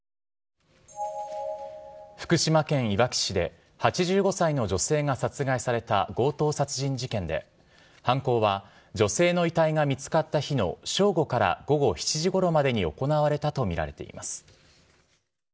福島県いわき市で、８５歳の女性が殺害された強盗殺人事件で、犯行は、女性の遺体が見つかった日の正午から午後７時ごろまでに行われたと見られています。